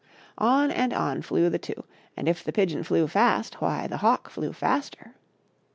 On and on flew the two, and if the pigeon flew fast, why, the hawk flew faster.